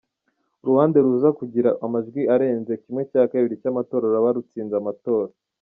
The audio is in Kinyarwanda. Uruhande ruza kugira amajwi arenze ½ cy’ abatora ruraba rutsinze amatora.